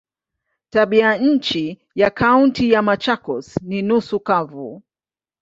Tabianchi ya Kaunti ya Machakos ni nusu kavu.